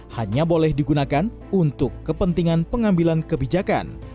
hanya boleh digunakan untuk kepentingan pengambilan kebijakan